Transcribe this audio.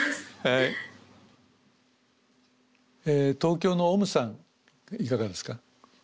東京のおむさんいかがですか？